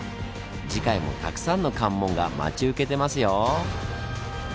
次回もたくさんの「関門」が待ち受けてますよ。